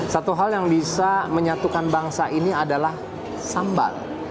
satu hal yang bisa menyatukan bangsa ini adalah sambal